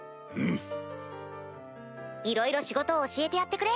いろいろ仕事を教えてやってくれ。